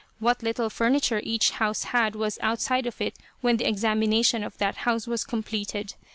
What little furniture each house had was outside of it when the examination of that house was completed.